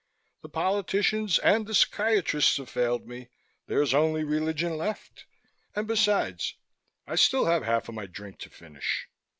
The politicians and the psychiatrists have failed me. There's only religion left. And besides, I still have half of my drink to finish."